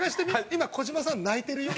今児島さん泣いてるよ。